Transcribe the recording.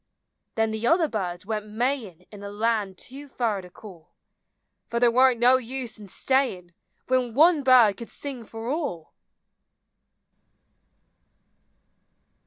Then the other birds went May in' In a land too fur to call ; Fer there warn't no use in stayin' When one bird could sing fer all